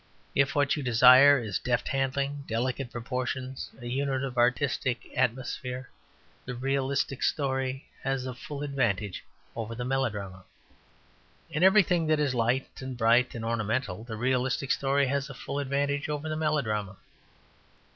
If what you desire is deft handling, delicate proportions, a unit of artistic atmosphere, the realistic story has a full advantage over the melodrama. In everything that is light and bright and ornamental the realistic story has a full advantage over the melodrama.